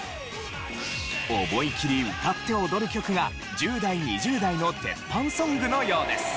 思い切り歌って踊る曲が１０代２０代の鉄板ソングのようです。